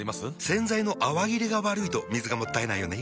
洗剤の泡切れが悪いと水がもったいないよね。